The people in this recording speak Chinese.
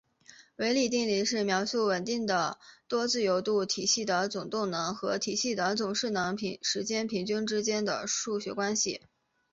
维里定理是描述稳定的多自由度体系的总动能和体系的总势能时间平均之间的数学关系。